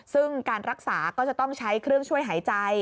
ซึ่งการรักษาก็จะต้องใช้เครื่องช่วยหายใจ